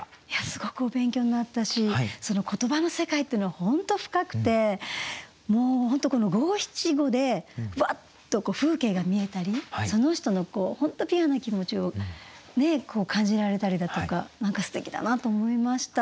すごくお勉強になったし言葉の世界っていうのは本当深くて五七五でうわっと風景が見えたりその人のピュアな気持ちを感じられたりだとか何かすてきだなと思いました。